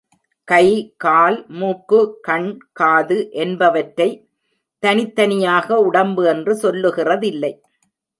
கை, கால், மூக்கு, கண், காது என்பவற்றைத் தனித்தனியாக உடம்பு என்று சொல்லுகிறதில்லை.